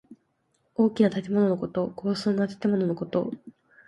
大きな建物のこと。豪壮な建物のこと。